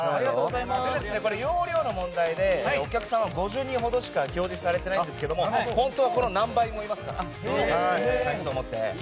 容量の問題でお客さんは５０人ほどしか表示されていないんですけども本当はこの何倍もいますから。